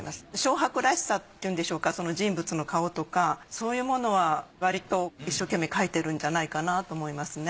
蕭白らしさっていうんでしょうかその人物の顔とかそういうものはわりと一生懸命描いてるんじゃないかなと思いますね。